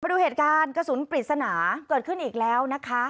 ดูเหตุการณ์กระสุนปริศนาเกิดขึ้นอีกแล้วนะคะ